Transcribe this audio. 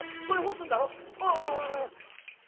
これ干すんだろ。